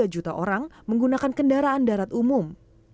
dua puluh empat tiga juta orang menggunakan kendaraan darat umum